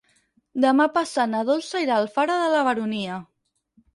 Demà passat na Dolça irà a Alfara de la Baronia.